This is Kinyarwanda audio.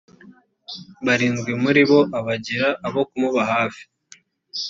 barindwi muri bo abagira abo kumuba hafi